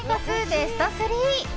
ベスト３。